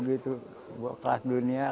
itu buat kelas dunia kan